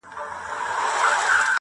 زه هیواد انګېرم، د شاعر چي